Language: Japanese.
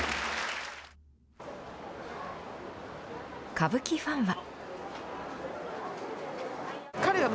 歌舞伎ファンは。